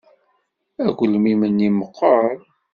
Agelmim-nni meɣɣer.